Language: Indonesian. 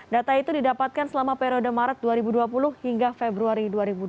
data itu didapatkan selama periode maret dua ribu dua puluh hingga februari dua ribu dua puluh